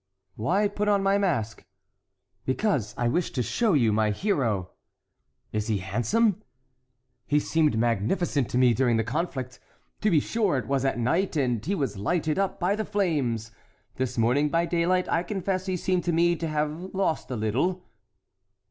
"Why put on my mask?" "Because I wish to show you my hero." "Is he handsome?" "He seemed magnificent to me during the conflict. To be sure, it was at night and he was lighted up by the flames. This morning by daylight I confess he seemed to me to have lost a little."